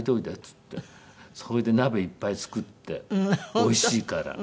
それで鍋いっぱい作っておいしいから。